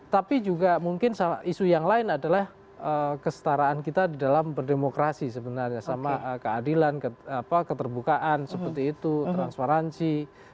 tapi juga mungkin isu yang lain adalah kestaraan kita di dalam berdemokrasi sebenarnya sama keadilan keterbukaan seperti itu transparansi